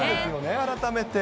改めて。